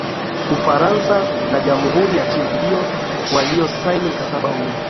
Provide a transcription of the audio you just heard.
ufaransa na jamhuri ya china ndiyo waliyosaini mkataba huo